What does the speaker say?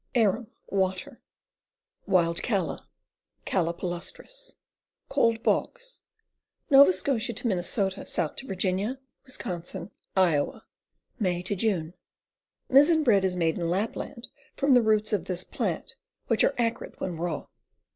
Arum, Water. Wild Calla. {Calla yallustris.) Cold bogs. Nova Scotia to Minn., south to Va., Wis., Iowa. May J line. Missen bread is made in Lapland from the roots of this plant, which are acrid when raw.